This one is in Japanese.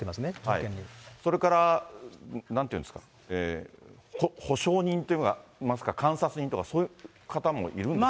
それから、なんていうんですか、保証人というのが、監察人とかそういう方もいるんですか。